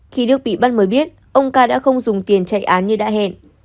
khi đức bị bắt mới biết ông ca đã không dùng tiền chạy án như đã hẹn